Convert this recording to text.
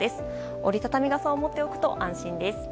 折り畳み傘を持っておくと安心です。